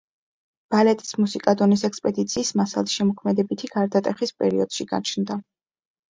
ბალეტის მუსიკა დონის ექსპედიციის მასალის შემოქმედებითი გარდატეხის პერიოდში გაჩნდა.